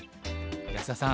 安田さん